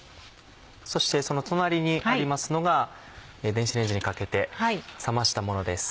そしてその隣にありますのが電子レンジにかけて冷ましたものです。